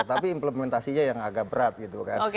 tapi implementasinya yang agak berat gitu kan